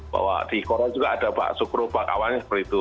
bahwa di korea juga ada bakso kerobak awalnya seperti itu